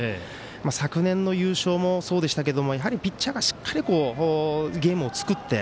昨年の優勝もそうでしたけれどもやはり、ピッチャーがしっかりゲームを作って。